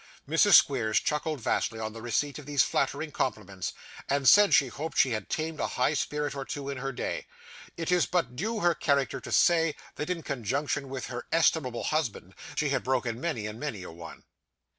Mrs. Squeers chuckled vastly on the receipt of these flattering compliments, and said, she hoped she had tamed a high spirit or two in her day. It is but due to her character to say, that in conjunction with her estimable husband, she had broken many and many a one.